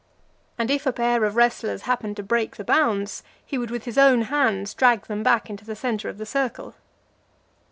And if a pair of wrestlers happened to break the bounds, he would with his own hands drag them back into the centre of the circle.